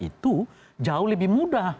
itu jauh lebih mudah